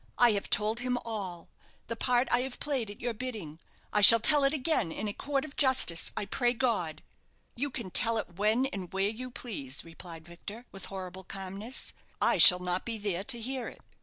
I have told him all the part I have played at your bidding. I shall tell it again in a court of justice, I pray God!" "You can tell it when and where you please," replied Victor, with horrible calmness. "I shall not be there to hear it."